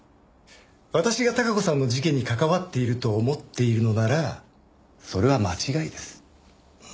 私が孝子さんの事件に関わっていると思っているのならそれは間違いです。